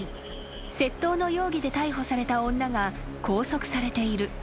窃盗の容疑で逮捕された女が拘束されている］